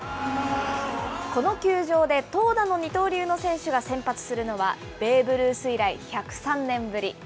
この球場で投打の二刀流の選手が先発するのはベーブ・ルース以来、１０３年ぶり。